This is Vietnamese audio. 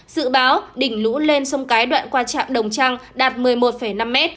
dự báo đỉnh lũ lên sông cái đoạn qua trạm đồng trang đạt một mươi một năm m